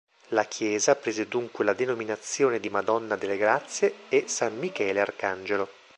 La chiesa prese dunque la denominazione di Madonna delle Grazie e San Michele Arcangelo.